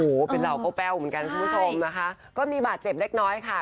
โอ้โหเป็นเหล่าแป้วเหมือนกันคุณผู้ชมนะคะก็มีบาดเจ็บเล็กน้อยค่ะ